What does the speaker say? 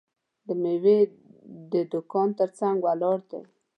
د میوې د دوکان ترڅنګ ولاړ دی.